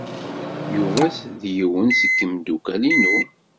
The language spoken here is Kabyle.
Yuba d yiwen seg yimeddukal-inu.